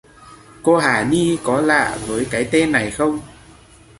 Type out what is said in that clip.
Cô Hà Ni có lạ với cái tên này không